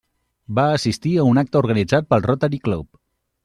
Va assistir a un acte organitzat pel Rotary Club.